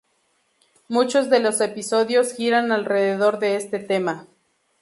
Muchos de los episodios giran alrededor de este tema.